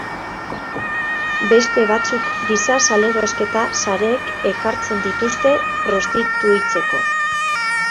Beste batzuk giza salerosketa sareek ekartzen dituzte, prostituitzeko.